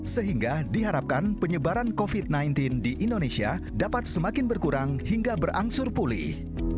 sehingga diharapkan penyebaran covid sembilan belas di indonesia dapat semakin berkurang hingga berangsur pulih